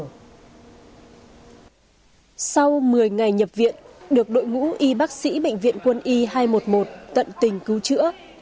sau một mươi ngày nhập viện được đội ngũ y bác sĩ bệnh viện quân y hai trăm một mươi một tận tình cứu chữa